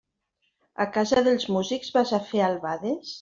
A casa dels músics vas a fer albades?